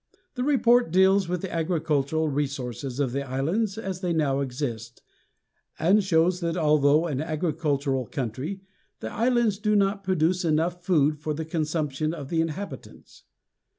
The report deals with the agricultural resources of the islands as they now exist, and shows that although an agricultural country, the islands do not produce enough food for the consumption of the inhabitants.